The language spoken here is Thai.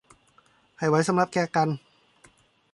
ให้ไว้สำหรับแก้กัน